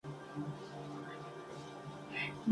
Es uno de los máximos representantes del Romanticismo peruano.